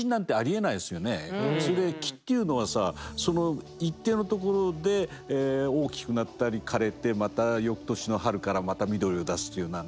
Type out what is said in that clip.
木っていうのはさ一定のところで大きくなったり枯れてまたよくとしの春からまた緑を出すというようなね